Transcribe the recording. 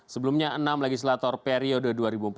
sebelumnya enam legislator periode dua ribu empat belas dua ribu dua